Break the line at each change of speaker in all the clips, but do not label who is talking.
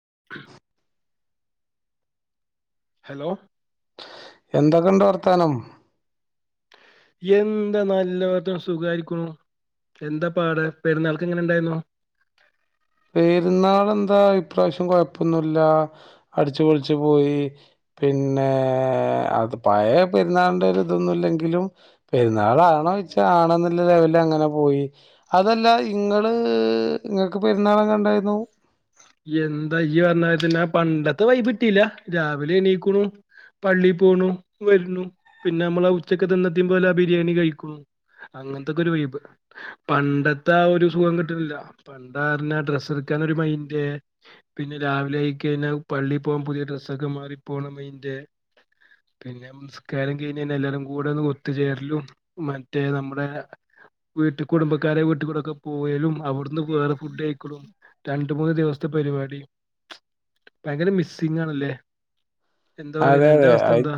[inaudible] Hello
എന്തൊക്കെ ണ്ട് വർത്താനം
എന്താ നല്ലവം സുഖാരിക്കണു എന്താ പാട് പെരുന്നാൾക്ക് എങ്ങനെ ഉണ്ടായിരുന്നു
പെരുന്നാളെന്താ ഇപ്രാവശ്യം കൊഴപ്പൊന്നുമല്ല അടിച്ചുപൊളിച്ചു പോയി പിന്നെ അത് പഴയ പെരുന്നാളിൻ്റെ ആ ഒരു ഇതൊന്നുല്ലെങ്കിലും പെരുന്നാളാണോ ചോയ്ച്ചാ ആണ് എന്നുള്ള ലെവലങ്ങനെ പോയി അതല്ല ഇങ്ങള് ങ്ങൾക്ക് പെരുന്നാളങ്ങനെണ്ടായിരുന്നു
എന്ത പറഞ്ഞമാരിതന്നെ പണ്ടത്തെ വൈപിട്ടിയില്ല രാവിലെ എണീക്കണു പള്ളി പോണു വരുന്നു പിന്നെ നമ്മൾ ആ ഉച്ചക്ക് എന്നെത്തെ പോലെ ആ ബിരിയാണി കഴിക്കുന്നു അങ്ങനത്തൊക്കെ ഒരു വൈബ് പണ്ടത്തെ ആ ഒരു സുഖം കിട്ട്ന്നില്ല പണ്ടറഞ്ഞ ഡ്രസ്സ് എടുക്കനോരു മൈന്റ് പിന്നെ രാവിലെ ആയി കഴിഞ്ഞാൽ പള്ളി പോകാൻ പുതിയ ഡ്രസ്സൊക്കെ മാറി പോകണതിന്റെ പിന്നെ നിസ്കാരം കഴിഞ്ഞ എല്ലാരും കൂടെ ഒന്ന് ഒത്തുചേർലും മറ്റേ നമ്മുടെ വീട്ട കുടുംബക്കാരെ വീട്ടിൽ കൂടെക്കെ പോവലും അവിടുന്ന് വേറെ ഫുഡ് കയിക്കലും രണ്ട്മൂന്ന് ദിവസത്തെ പരിപാടി ഭയങ്കര മിസ്സിംങ്ങാണല്ലേ എന്താ പറണെ
അതെ
അന്റെ
അതെ അത്
അവസ്ഥ എന്താ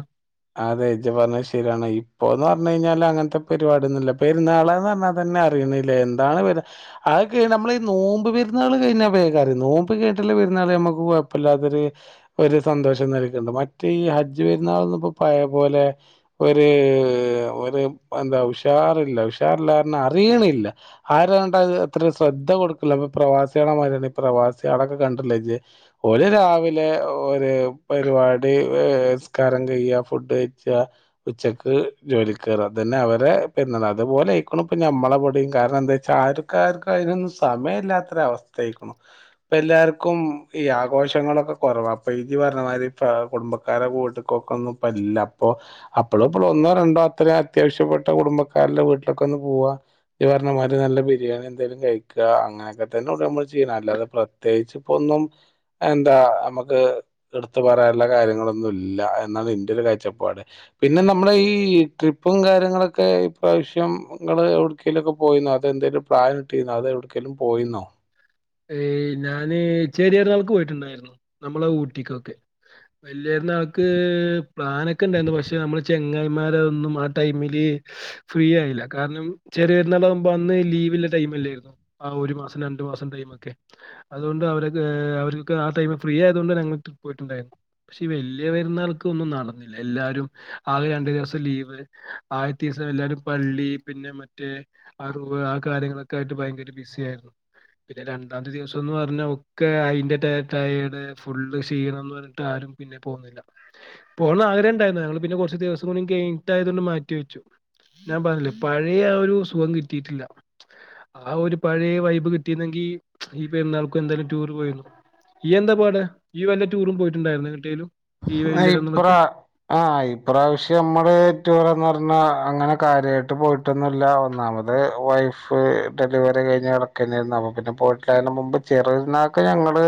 അതെ ഇജ്ജ് പറഞ്ഞത് ശരിയാണ് ഇപ്പോന്ന് പറഞ്ഞു കഴിഞ്ഞാൽ അങ്ങനത്തെ പരിപാടിന്നുല്ല പെരുന്നാളാന്ന് പറഞ്ഞ തന്നെ അറിയുന്നില്ലേ എന്താണ് അതൊക്കെ നമ്മള ഈ നോമ്പ് പെരുന്നാള് കഴിഞ്ഞ വേഗം അറിയും നോമ്പ് കഴിട്ടുള്ള പെരുന്നാൾ നമ്മുക്ക് കുഴപ്പമില്ലാത്തൊരു ഒരു സന്തോഷം നൽക്കുന്നുണ്ട് മറ്റേ ഈ ഹജ്ജ് പെരുന്നാൾന ഇപ്പോ പഴ പോലെ ഒരു ഒരു എന്താ ഉഷാറില്ല ഉഷാറില്ലാപറഞ്ഞാഅറിയണില്ല ആരും അങ്ങണ്ടത് അത്ര ശ്രദ്ധ കൊടുക്കല അപ്പൊ പ്രവാസിമാരാണ് ഈ പ്രവാസികളൊക്കെ കണ്ടില്ലേജ് ഒരു രാവിലെ ഒരു പരിപാടി നിസ്കാരം കഴ്യ ഫുഡ് കഴിക്ക ഉച്ചക്ക് ജോലി കയറ അതന്നെ അവരെ പിന്നെ അതുപോലെ ആയിരിക്കണ് നമ്മളെ ഇബടെയും കാരണം എന്താ വെച്ചാ ആരും ആക്കാർക്ക് അതിനൊന്നും സമയമല്ലാത്തൊര അവസ്ഥക്കണ് ഇപ്പ എല്ലാർക്കും ഈ ആഘോഷങ്ങളൊക്കെ കുറവ അപ്പൊ ഇജ്ജ് പറഞ്ഞ മാതിരി കുടുംബക്കാരെ കൂട്ടിക്കൊക്ക ഒന്നുംല്ലഅപ്പൊ അപ്പോളും ഇപ്പോളും ഒന്നോ രണ്ടോ അത്രയും അത്യാവശ്യപ്പെട്ട കുടുംബക്കാരുടെ വീട്ടിലൊക്കെ ഒന്ന് പോവാ ഈ പറഞ്ഞമാതിര് നല്ല ബിരിയാണി എന്തേലും കഴിക്കുക അങ്ങനെയൊക്കെ തന്നെ നമ്മള് ചെയ്യണ അല്ലാതെ പ്രെ പ്രത്യേകിച്ച് ഇപ്പോ ഒന്നും എന്താ നമക്ക് എടുത്ത്പറയാനുള്ള കാര്യങ്ങളൊന്നും ഇല്ല എന്നാണ് ഇന്റെ ഒരു കാഴ്ചപ്പാട് പിന്നെ നമ്മള ഈ ട്രിപ്പും കാര്യങ്ങളൊക്കെ ഇപ്രാവിശ്യം നിങ്ങൾ എവിടക്കേലുംക്കെ പോയിന്നോ അത് എന്തെങ്കലും പ്ലാനിട്ട്ന്നോ അത് എവിടക്കേലും പോയിന്നോ
ഏ ഞാന് ചെറിയ പെരുനാൾക്ക് പോയിട്ടുണ്ടായിരുന്നു നമ്മളെ ഊട്ടിക്കൊക്കെ വല്യ പെരുന്നൾക്ക് പ്ലാനൊക്കെ ഉണ്ടായിരുന്നു പക്ഷെ നമ്മള് ചെങ്ങായിമാരൊന്നും ആ ടൈമില് ഫ്രീ ആയില്ല കാരണം ചെറിയൊരുന്നാൾ ആകുമ്പോ അന്ന് ലീവില്ല ടൈം അല്ലായിരുന്നു ആഹ് ഒരു മാസം രണ്ട് മാസം ടൈമ് ഓക്കേ അതുകൊണ്ട് അവ അവർ ആ ടൈം ഫ്രീ ആയതുകൊണ്ട് ഞങ്ങള് ട്രിപ്പ് പോയിട്ടുണ്ടായിരുന്നു പക്ഷെ വല്ല്യ പെരുനാൾക്കൊന്നും നടന്നില്ല എല്ലാരും ആകെ രണ്ടു ദിവസം ലീവ് ആദ്യത്തെ ദിവസം എല്ലാരും പള്ളി പിന്നെ മറ്റേ ആഹ് ടൂറ് ആ കാര്യങ്ങളൊക്കെ ആയിട്ട് ഭയങ്കര ബിസി ആയിരുന്നു പിന്നെ രണ്ടാമത്തെ ദിവസം എന്ന് പറഞ്ഞാ ഒക്കെ അയിന്റെ ടയ റ്റയേട് ഫുള്ള് ഷീണം എന്ന് പറഞ്ഞിട്ട് ആരും പിന്നെ പോന്നില്ല പോണ ആഗ്രഹ ഇണ്ടായിരുന്നു ഞങ്ങള് പിന്നെ കെറച്ച് ദിവസം കൂടി കഴിഞ്ഞിട്ടായതുണ്ട് മാറ്റി വെച്ചു ഞാൻ പറഞ്ഞില്ലേ പഴയ ആ ഒരു സുഖം കിട്ടിയിട്ടില്ല ആ ഒരു പഴയ വൈബ് കിട്ടിരുന്നെങ്കി ഈ പെരുന്നാൾക്കും എന്തായാലും റ്റൂറ് പോകാരുന്നു ഈയെന്താ പാട് ഈ വല്ല റ്റൂറും പോയിട്ടുണ്ടായിരുന്നോ എങ്ങോട്ടേലും
ആഹ് ഇപ്രാ ആഹ് ഇപ്രാവശ്യം നമ്മടെ റൂറെന്ന് പറഞ്ഞാ അങ്ങനെ കാര്യായിട്ട് പോയി ട്ടൊന്നുല്ല ഒന്നാമത് വൈഫ് ഡെലിവറി കഴിഞ്ഞ് കിടക്ക തന്നെയാരുന്നു അപ്പോപിന്നെ പോയിട്ടില്ല അതിന് മുമ്പ് ചെറിയ പെരുന്നാക്ക് ഞങ്ങള്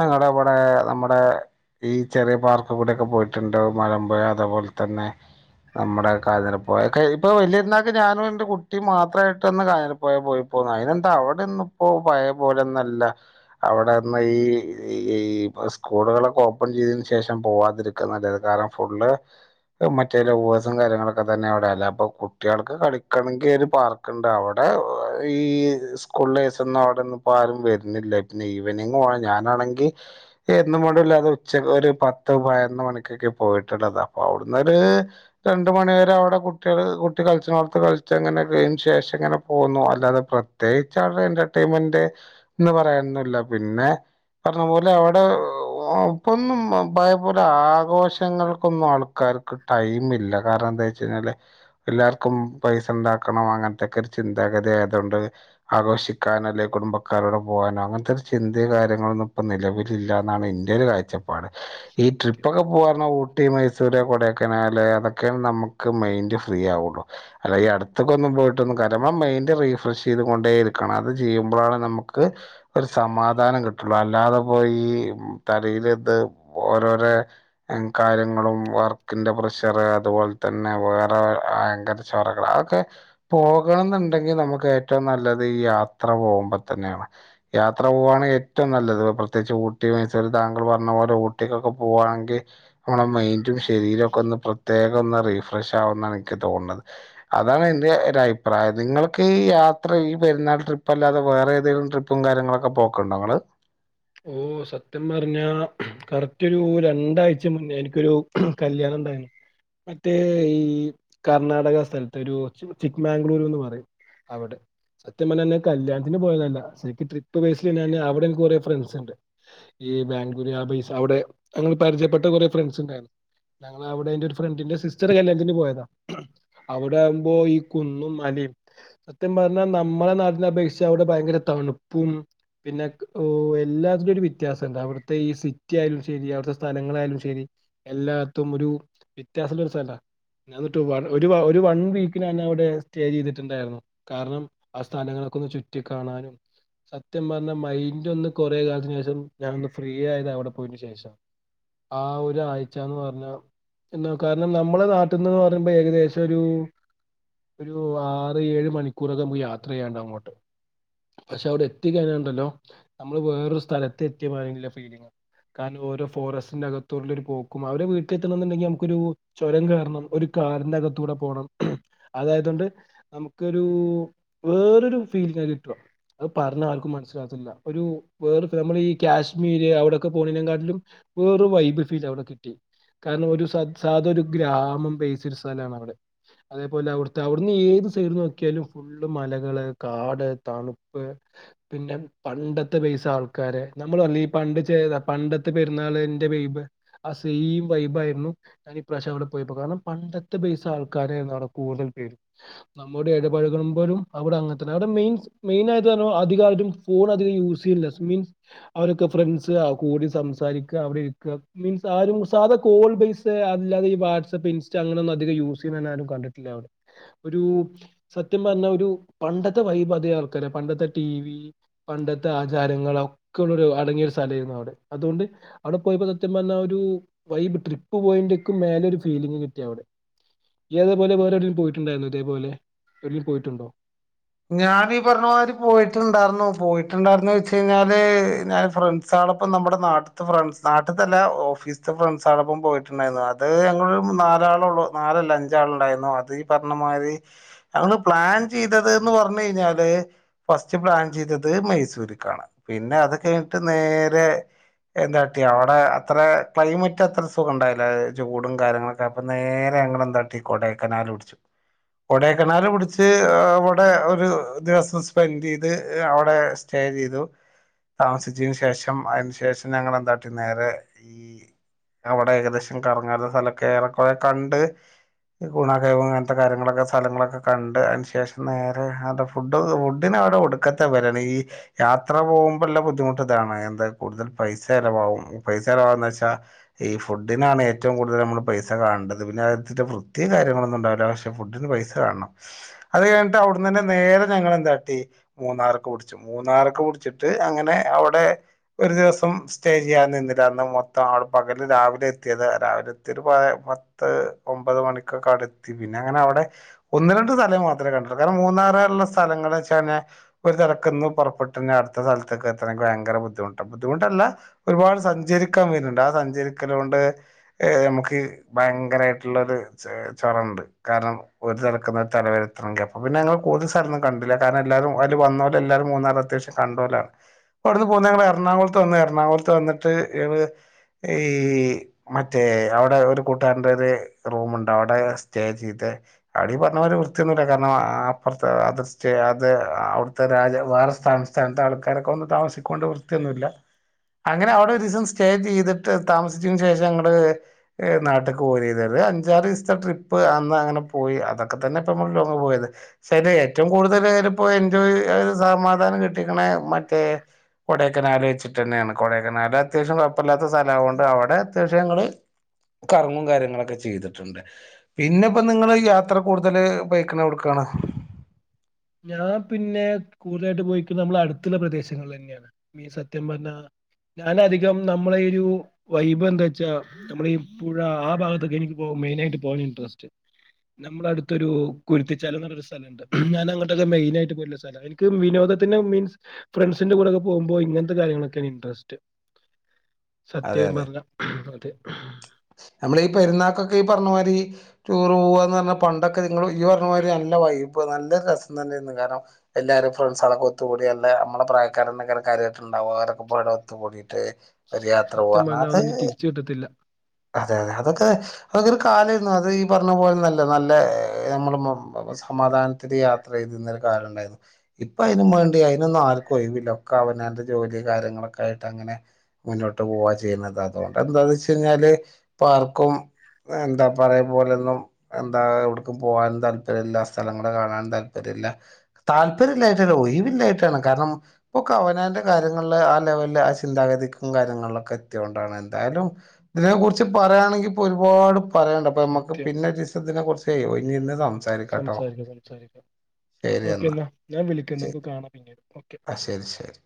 ഞങ്ങടവിടെ നമ്മുടെ ഈ ചെറിയ പാർക്കിൽ കൂടെയൊക്കെ പോയിട്ടുണ്ട് മലമ്പുഴ അതേ പോലെ തന്നെ നമ്മുടെ കാഞ്ഞിരപ്പായ ഇപ്പൊ വലിയ പെരുന്നാക്ക് ഞാനും എന്റെ കുട്ടിയും മാത്രമായിട്ട് ഒന്ന് കാഞ്ഞിരപ്പായ പോയി അതിനെന്താ അവിടൊന്നും ഇപ്പോ പഴയ പോലൊന്നുമല്ല അവിടെന്ന് ഈ ഈ സ്കൂളുകളൊക്കെ ഓപ്പൺ ചെയ്തതിന്‌ ശേഷം പോവാതിരിക്കുവാ നല്ലത് കാരണം ഫുള്ള് മറ്റേ ലവേഴ്സും കാര്യങ്ങളൊക്കെ തന്നെ അവിടെയല്ല അപ്പൊ കുട്ടികൾക്ക് കളിക്കണങ്കിൽ ഒരു പാർ ക്കൊണ്ട് അവിടെ ഈ സ്കൂൾഡേസൊന്നും അവിടൊന്നും ഇപ്പോ ആരും വരുന്നില്ല ഇ പിന്നെ ഇവനിങ്ങ് പോണം ഞാനാണെങ്കിൽ എന്നും മണ്ടല്ലാതെ ഉച്ച ഒരു പത്ത് പതിനൊന്ന് മണിക്കൊക്കെ പോയിട്ടുള്ളതാ അപ്പൊ അവിടുന്നൊരു രണ്ട് മണിരെ അവിടെ കുട്ടികൾ കുട്ടി കളിച്ചോണടത്ത് കളിച്ചങ്ങനെ [unintelligible] ശേഷം അങ്ങനെ പോന്നു അല്ലാത്തപ്പോ പ്രത്യേകിച്ച് അവരുടെ എന്റർടൈൻമെന്റ് എന്ന് പറയാനൊന്നില്ല പിന്നെ പറഞ്ഞപോലെ അവിടെ അപ്പവൊന്നും പഴയപോലെ ആഘോഷങ്ങൾക്കൊന്നും ആൾക്കാർക്ക് ടൈമില്ല കാരണ എന്താ വെച്ച് കഴിഞ്ഞാല് എല്ലാർക്കും പൈസ ഉണ്ടാക്കണം അങ്ങനത്തൊക്കെ ഒരു ചിന്താഗതി ആയത് കൊണ്ട് ആഘോഷിക്കാനോ അല്ലെങ്കിൽ കുടുംബക്കാരുടെ കൂടെ പോകാനോ അങ്ങനത്തെ ഒരു ചിന്ത കാര്യങ്ങളൊന്നും ഇപ്പ നിലവിൽ ഇല്ലാന്നാണ് എൻ്റെ ഒരു കാഴ്ചപ്പാട് ഈ ട്രിപ്പൊക്കെ പറഞ്ഞാല് ഊട്ടി മൈസൂര് കൊടക്കനാല് അതൊക്കെയ നമക്ക് മൈൻഡ് ഫ്രീ ആവുള്ളൂ അല്ലാതെ ഈ അടുത്തേക്കൊന്നും പോയിട്ടൊന്നും കാര്യവില്ല നമ്മളെ മൈൻഡ് റീഫ്രഷ് ചെയ്തു കൊണ്ടേയിരിക്കണം അത് ചെയ്യുമ്പോഴാണ് നമുക്ക് ഒരു സമാധാനം കിട്ടുള്ളൂ അല്ലാതെ പോയി ഈ തലേലത് ഓരോരോ കാര്യങ്ങളും വർക്കിന്റെ പ്രഷറ് അതുപോലെ തന്നെ വേറെ ഭയങ്കര ചൊറകളാ അതൊക്കെ പോകണന്നുണ്ടെങ്കിൽ നമുക്ക് ഏറ്റവും നല്ലത് ഈ യാത്ര പോകുമ്പോ തന്നെയാണ് യാത്ര പോവാണെ ഏറ്റവും നല്ലത് പ്രത്യേകിച്ച് ഊട്ടി മൈസൂർ താങ്കള് പറഞ്ഞ പോലെ ഊ ട്ടിട്ടൊക്കെ പോവാണെങ്കിൽ നമ്മടെ മൈന്റും ശരീരവൊക്കെയൊന്ന് പ്രത്യേ കം ഒന്ന് റീഫ്രഷ് ആവൂന്നാണ് എനിക്ക് തോന്നണത് അതാണ് എന്റെ ഒരഭിപ്രായം നിങ്ങൾക്ക് ഈ യാത്ര ഈ പെരുന്നാൾ ട്രിപ്പല്ലാതെ വേറെ ഏതേലും ട്രി പ്പും കാര്യങ്ങളൊക്കെ പോക്കൊണ്ടോ നിങ്ങള്
ഓ സത്യം പറഞ്ഞ കറക്റ്റൊരു രണ്ടാഴ്ച മുന്നേ എനിക്കൊരു കല്യാണം ഇണ്ടായിരുന്നു മറ്റേ ഈ കർണാടക സ്ഥലത്ത് ഒരു ചിക് മാംഗ്ലൂരുന്ന് പറയും അവിടെ സത്യം പറഞ്ഞ ഞാൻ കല്യാണത്തിന് പോയതല്ല ശരിക്ക് ട്രിപ്പ് ബേസല് അവിടെ എനിക്ക് കുറെ ഫ്രണ്ട് ണ്ട് ഈ ബാംഗ്ലൂര് ആ ബേസ് അവിടെ അങ്ങ പരിചയപ്പെട്ട കുറെ ഫ്രണ്ട്സ് ഇണ്ടായിരുന്നു ഞങ്ങള് അവിടെ എന്റെ ഒരു ഫ്രണ്ടിന്റെ സിസ്റ്ററെ കല്യണത്തിന് പോയതാ അവിടെ ആവുമ്പോ ഈ കുന്നും മലയും സത്യം പറഞ്ഞാൽ നമ്മളെ നാടിനെ അപേക്ഷിച്ച് അവിടെ ഭയങ്കര തണുപ്പും പിന്നെ എല്ലാത്തിനു ഒരു വ്യത്യാസമുണ്ട് അവിടുത്തെ ഈ സിറ്റി ആയാലും ശെരി അവിടുത്തെ സ്ഥലങ്ങളായാലും ശെരി എല്ലാടത്തും ഒരു വിത്യാസമുള്ള ഒരു സ്ഥലവാ ഞന്നിട്ട് ഒരു ഒരു വൺ വീക്ക് ഞാനവിടെ സ്റ്റേ ചെയ്തിട്ടുണ്ടായിരുന്നു കാരണം ആ സ്ഥാനങ്ങളൊക്കെ ഒന്ന് ചുറ്റി കാണാനും സത്യപറഞ്ഞാൽ മൈൻ്റൊന്ന് കുറേ കാലത്തിന് ശേഷം ഞാനൊന്ന് ഫ്രീ ആയത് അവിടെ പോയിന് ശേഷാ ആ ഒരാഴ്ചന്ന്റഞ്ഞാ ന്തേ കാരണം നമ്മളെ നാട്ട്ന്ന് പറയുമ്പോ ഏകദേശെരൂ.. ഒരു ആറ്, ഏഴ്, മണിക്കൂറമുക്ക് യാത്ര ചെയ്യാണ്ടങ്ങോട്ട്. പഷെ അവ്ടെ എത്തി കഴിഞ്ഞാണ്ടല്ലോ. നമ്മള് വേറൊരു സ്ഥലത്തെത്തിമായുള്ള ഫീലിണ്. കാരണം ഓരോ ഫോറസ്റ്റിന്റെ അകത്തേട്ട്ള്ള ഒരു പോക്കും അവരെ വീട്ടിലെത്തെണങ്കിൽ നമുക്കൊരു. ചേരം കേറണം ഒരു കാർന്റകത്തൂടെ പോണം അതായതേണ്ട്. നമുക്കൊരു.. വേറൊരു ഫീലിൻ്റ യിട്ടേ അത് പറഞ്ഞാ ആർക്കും മനസ്സിലാവത്തില്ല. ഒരു വേറ ഭ്രമള് ഈ കാശ്മീര് അവിടെക്കെ പോണൈന കാട്ടിലും. വേറ് വൈബ് ഫീലവടെ കിട്ടി. കാരണം ഒരു സ. സാദെരു ഗ്രാമം പേച്ചരു സ്ഥലാണവടെ. അതേപോലെ അവിട്ത്തെ. അവിട്ന്നെത് സൈഡ് നോക്കിയാലും ഫു ഫുള്ളും മലകള്, കാട്, തണുപ്പ്, പിന്നെ. പണ്ടത്തെ ബെയ്സ് ആൾക്കാരെ, നമ്മളർഞീലെ, ഈ പണ്ട് ചെയ്ത. പണ്ടത്തെ പെര്ന്നാൾന്റെ വൈബ്. അ സൈം വൈബായിരുന്നു. ഞാനിപ്രറാവശ്യം അവടെ പോയപ്പളാണ്. പണ്ടത്തെ ബെയ്സ് ആൾക്കാരെങ്ങാന്, കൂടുതൽ പേരും. നമ്മേട് എടപഴകുമ്പേഴും അവിടെ അങ്ങൻത്തന്നെ അവ്ടെ മെയിൻ മെയിനായത് ന്ന് ആധികായതും. ഫോൺ അധികം യൂസെയ്യൂല സ്മീൻ. അവരൊക്കെ ഫ്രണ്ട്സ് കൂടി സംസാരിക്കാ. അവടിരിക്കാ മീൻസ്, ആരും സാദാകോൾ ബേസ്. ത് ല്ലാതെ ഈ വാട്സപ്പ്, ഇൻസ്റ്റാ, അങ്ങനെന്നും അധിക യൂസ് ചെയ്യുന്നതിരും കണ്ടിട്ടില്ലാതേൺണ്. അവിടെ ഒരൂ.. സത്യം പറഞ്ഞാ ഒരു പണ്ടത്തെ വൈബ തെ.. ആൾക്കാര പണ്ടത്തെ ടി. വി. പണ്ടത്തെ ആചാരങ്ങളെക്കെള്ളെരു അടങ്ങിയെരു സ്ഥലായിരുന്നു അവടെ, അതേണ്ട്. അവടെ പോയപ്പോ സത്യംപറഞ്ഞാ ഒരു വൈബ് ട്രിപ്പ് പോയെൻ്റ്ക്കും. മേലൊരു ഫീല്ങ്ങ്കിട്ടിയവിടെ. യ്യതേപേലെ വെറെഏടെലും പോയിട്ടുണ്ടായിരുന്നേ ഇതേപോലെ. ഏടെലും പോയിട്ടുണ്ടോ.
ഞാനി ഈ പർഞ്ഞമാതിരി പോയിട്ടുണ്ടാർന്നു പോയിട്ടുണ്ടാർന്നു വെച്ചെയ്ഞാല് ഞാൻ ഫ്രണ്ട് സാളെപ്പം നമ്മുടെ നാട്ട്ത്തെ ഫ്രൺ നാട്ട്തെല്ലാ ഓഫീസ്തെ ഫ്രണ്ട്സളൊപ്പം പോയിട്ടുണ്ടായിരുന്നു ആ ഏറിയാ ഞങ്ങളെരു നാലാളെള്ളൂ. നാലെല്ല, അഞ്ചാളുണ്ടായിരുന്നു. അതീപർഞ്ഞ മായ്രി. നമ്മള് പ്ലാൻ ചെയ്ദത് ന്ന് പറഞ്ഞെയ്ഞ്ഞാല്. ഫസ്റ്റ് പ്ലാൻ ചെയ്തത് മൈസൂര്ക്കാണ് പിന്നെ അത് കഴിഞ്ഞിട്ട് നേരെ. എന്തെകാട്ടി അവടെ അത്ര ക്ലൈമെറ്റത്ര സുഖണ്ടായീല. ചൂടും കാര്യങ്ങളൊക്കെ അപ്പൊ നേരെ ഞങ്ങളെന്താട്ടി കൊടേക്കനാല് പിടിച്ചു കൊടേക്കനാല് പിടിച്ച് ഹ്അ. വ്ടെ ഒരു ദിവസം സ്പെൻ്റെയ്ത്. അവിടെ സ്റ്റേ ചെയ്തു. താമസിച്ചതിന്ന് ശേഷം അയിന്ശേഷം. ഞങ്ങളെന്താട്ടി, നേരെ. അവടെ ഏകദേശം കറങ്ങാൻള്ള സ്ഥലൊക്ക, ഏറെക്കെറെ കണ്ട്. ഗുണകൈവവും അങ്ങൻത്തെ കാര്യങ്ങളൊക്കെ, സ്ഥലങ്ങളൊക്കെ, കണ്ട്. അയ്ന്ശേഷം. നേരെ ഒര്നേര്തെ ഫുഡ്ഡക്കെ, ഫുഡ്ഡിനവ്ടെ ഒടുക്കാത്ത വെലെണ്. ഈ.. യാത്ര പോവുമ്പള്ള ബുദ്ധിമുട്ട്താണ് എന്താ കൂടുതൽ പൈസ ചെലവാവും പൈസ ചെലവാവുന്നെച്ചാൽ. ഈ ഫുഡിനാണ് ഏറ്റവുംകൂടുതൽ നമ്മൾ പൈസ കാേണെണ്ടത് പിന്നെ അന്താച്ചാ വൃത്തീ കാര്യങ്ങളൊന്നുണ്ടിവൂല പക്ഷെ. ഫുഡിന് പൈസ കാണണം അതെയ്ഞ്ഞിട്ട് അവ്ട്ന്നന്നെ നേരെ ഞങ്ങളെന്താട്ടി. മൂന്നാർക്ക് പുടിച്ചു, മൂന്നാർക്ക് പുടിച്ചിട്ട് അങ്ങനെ, അവടെ.. ഒരു ദിവസം സ്റ്റേ ചെയ്യാൻ നിന്നില്ല. അന്ന് മൊത്തം അൾ പകല് രാവിലെ എത്തിയെത്. രാവിലെ എത്തിയെത് പാ പത് ത്ത്.. ഒമ്പത് മണിക്കൊക്കെ അവടെഎത്തി പിന്നെ അങ്ങനെ അവിടെ ഒന്ന് രണ്ട് സ്ഥലം മർന്ന്. കണ്ടു കാരണം മൂന്നാറാർള്ള സ്ഥലങ്ങള് വെച്ചാല്. ഒരുതലക്കെന്ന് പുറപ്പെട്ടെയ്ഞാൽ അടുത്ത സ്ഥലത്ത്ക്ക് എത്തണെങ്കിൽ ഭയര ബുദ്ധിമുട്ടാ, ബുദ്ധിമുട്ടെല്ലാഹ്. ഒരുപാട് സഞ്ചരിക്കാൻ വരുന്നുണ്ട് ആ സഞ്ചരിക്കലേണ്ട്. ഏം മ്മക്ക് ഭയങ്കരിയിട്ടുള്ളൊര്. ച്ച് ചറണ്ട് കാരണം ഒരു തൽക്കെന്ന് ഒരു തലവെരെ. നമ്ക്ക അപ്പ പിന്നെ ഞങ്ങള് കൂടുതൽ സ്ഥലെന്നും കണ്ടില്ല. കാരണം ല്ലാവും അയ്ല് വന്നേരെല്ലാരും മൂന്നാറ് അത്യാവിശൃം കണ്ടേരാണ്. പ്പൊ അവ്ട്ന്ന് പേന്ന് ഞങ്ങള് എർണാംകൊൾത്ത് വന്ന്. എർണാംകൊൾത്ത് വന്ന്ട്ട് ള് ഈ മറ്റേ അവടെ ഒരു കൂട്ടാരെന്റെ ഒര് റൂമ്ണ്ട് അവടെ സ്റ്റേ ചെയ്തെ. അവ്ടീ പർഞ്ഞ പോലെ വൃ ത്തിയെന്നുല്ല കാരണം ആ അപ്പർത്തെ അത് സ്റ്റേ അത് അവ്ടുത്തെ രാജ വ സ്ഥാ ത്ത് ആൾക്കാരൊക്കെ വന്ന് താമസിക്കൊണ്ട് വൃത്തിയൊന്നൂല്ല. അങ്ങനെ അവ്ടെ ഒരു ദിവസം സ്റ്റേ ചെയ്ത്ട്ട് താമസിചെന് ശേഷം ഞങ്ങള് നാട്ട്ക്ക്. [unintelligible] ഒരു അഞ്ചാറ് ദിവസത്തെ ട്രിപ്പ് അന്ന് അങ്ങനെ പോയി അതൊക്കെ തന്നെ ഇപ്പ നമ്മള് ലോങ്ങ് പോയത്. ശരിയാ ഏറ്റവും കൂടുതല് ടെ പോയ് എൻജോയ് ഒരു സമാധാനം കിട്ടിയേക്ക്‌ണെ മറ്റേ കൊടേക്കനാല് വച്ചിട്ടന്നെണ്. കൊടേക്കനാല് അത്യാവശ്യം കുഴപ്പല്ലാത്ത സ്ഥലാ. അതുകൊണ്ട് അവടെ അത്യാവശ്യം ഞങ്ങള് കറങ്ങും കാര്യങ്ങളൊക്കെ ചെയ്തിട്ട്ണ്ട്. പിന്നെ ഇപ്പോ നിങ്ങള് യാത്ര കൂടുതല് പോയേക്ക്‌ണേ എവ്ട്‌ക്കാണ്.
ഞാൻ പിന്നെ കൂടുതലായിട്ട് പോയിക്ക്ന്നെ നമ്മള അട്‌ത്ത്ള്ള പ്രദേശങ്ങളില് തന്നെയാണ്. ഈ സത്യം പർഞ്ഞാ ഞാനധികം നമ്മളെ ഈ ഉ വൈബ് എന്താ വെച്ചാ നമ്മളെ ഈ പുഴ ആ ഭാഗത്തൊക്കെ എനിക്ക് പോവാൻ മെയിനായിട്ട് പോവാൻ ഇൻട്രസ്റ്റ്. നമ്മളെ അടുത്തൊരു കുരുത്തിച്ചാലന്ന് പർഞ്ഞൊരു സ്ഥലണ്ട്. ഞാന അങ്ങ ട്ടോക്കെ മെയിനായിട്ട് പോവല്ള്ള സ്ഥല എനിക്ക് വിനോദത്തിൻ്റെ മീൻസ് ഫ്രണ്ട്സിന്റെ കൂടൊക്കെ പോവുമ്പോ ഇങ്ങൻത്തെ കാര്യങ്ങളൊക്കെണ് ഇൻട്രസ്‌റ്റ്.
അതെ
സത്യം പർഞ്ഞ അതെ.
നമ്മളീ പെര്ന്നാക്കൊക്കെ ഈ പർഞ്ഞ മാരി ടൂറ് പോവാന്നർഞ്ഞാ പണ്ടൊക്കെ നിങ്ങള് ഇയ്യ് പർഞ്ഞ മാതിരി നല്ല വൈബാ നല്ല രസം തന്നെയിരുന്നു. കാരണം എല്ലാരും ഫ്രണ്ട്സോളൊക്കെ ഒത്തുകൂടി അല്ല നമ്മള പ്രായക്കാരന്നെക്കാരം കാര്യയിട്ട്ണ്ടാവാ അവരൊക്കെ പാടെ ഒത്തുകൂടി ട്ട് ഒരു യാത്ര പോവാ പർഞ്ഞാ അത്
കേട്ട്ട്ടില്ല
അതെ അതെ അതൊക്കെ അതൊര് കാലയ്രുന്നു. അത് ഈ പർഞ്ഞ പോൽന്നല്ല. നല്ല നമ്മള് മ സമാധാനത്തില് യാത്ര ചെയ്തിരുന്നൊരു കാലം ഇണ്ടായിരുന്നു. ഇപ്പൊ അയിനും മാണ്ടി അയിനൊന്നു ആർക്കു ഒഴിവില്ല. ഒക്കെ അവനാന്റെ ജോലി കാര്യങ്ങളൊക്കെ ആയിട്ട് അങ്ങനെ മുന്നോട്ട് പോവാ ചെയ്യുന്നത്. അതുകൊണ്ട് എന്താന്ന് വെച്ചുകഴിഞ്ഞാല് ഇപ്പ ആർക്കും എന്താ പഴയ പോലൊന്നും എന്താ എവ്ട്ക്കും പോവാനും താല്പര്യല്ല. സ്ഥലങ്ങള് കാണാനും താല്പര്യല്ല. താല്പര്യ ഇല്ലായിട്ടല്ല ഒഴിവില്ലായിട്ടാണ് കാര്ണം ഒക്ക അവനാന്റെ കാര്യങ്ങൾല് ആ ലെവൽല് ആ ചിന്താഗതിക്കും കാര്യങ്ങൾലൊക്കെ എത്തിയോണ്ടാണ്. എന്തായാലും ഇതിനെ കുറിച്ച് പറയാണെങ്കി ഇപ്പൊ ഒരുപാട് പറയാണ്ട്. അപ്പൊ നമുക്ക്
സത്യം
പിന്നെ ഒരീസം ഇതിനെക്കുറിച്ചെ ഒഴിഞ് ഇര്ന്ന് സംസാരിക്കാ ട്ടോ.
അപ്പൊ സംസാരിക്ക
ശരി എന്നാ ശരി
കാണാം പിന്നീട് ഓക്കെ
ആ ശരി ശരി.